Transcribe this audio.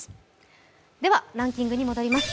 ランキングに戻ります。